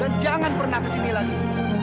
dan jangan pernah ke sini lagi